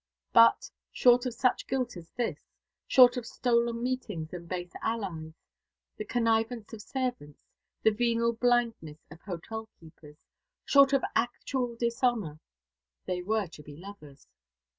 But, short of such guilt as this short of stolen meetings and base allies, the connivance of servants, the venal blindness of hotel keepers short of actual dishonour they were to be lovers.